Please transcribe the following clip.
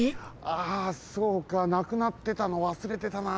あそうかなくなってたのわすれてたな。